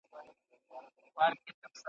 په یوه وخت کي په کعبه، په کور، جومات کي حاضر .